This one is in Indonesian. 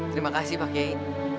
terima kasih pak kiai